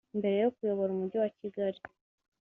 Mbere yo kuyobora Umujyi wa Kigali